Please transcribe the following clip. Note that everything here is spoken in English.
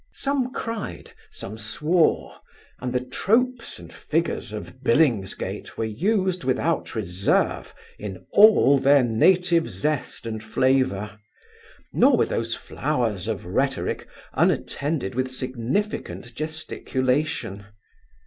Some cried; some swore; and the tropes and figures of Billingsgate were used without reserve in all their native zest and flavour; nor were those flowers of rhetoric unattended with significant gesticulation.